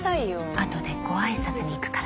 あとでご挨拶に行くから。